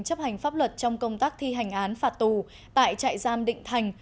chấp hành pháp luật trong công tác thi hành án phạt tù tại trại giam định thành